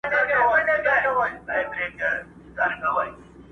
ما سپارلی د هغه مرستي ته ځان دی!